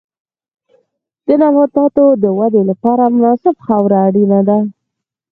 د نباتاتو د ودې لپاره مناسبه خاوره اړینه ده.